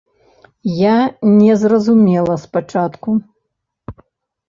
Я не зразумела спачатку.